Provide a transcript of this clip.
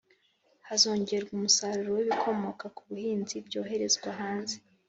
Hazongerwa umusaruro w ibikomoka ku buhinzi byoherezwa hanze